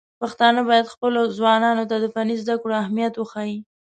پښتانه بايد خپلو ځوانانو ته د فني زده کړو اهميت وښيي.